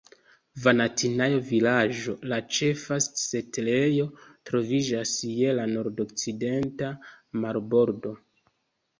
Vanatinajo-Vilaĝo, la ĉefa setlejo, troviĝas je la nordokcidenta marbordo.